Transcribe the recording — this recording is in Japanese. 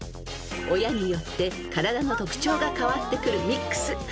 ［親によって体の特徴が変わってくるミックス］